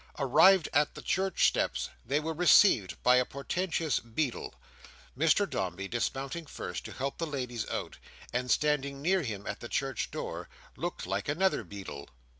Arrived at the church steps, they were received by a portentous beadle. Mr Dombey dismounting first to help the ladies out, and standing near him at the church door, looked like another beadle.